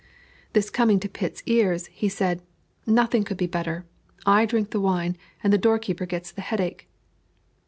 This coming to Pitt's ears, he said "Nothing could be better; I drink the wine, and the doorkeeper gets the headache."